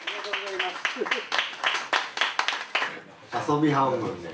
遊び半分で。